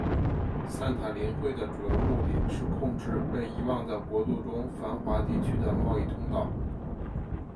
散塔林会的主要目的是控制被遗忘的国度中繁华地区的贸易通道。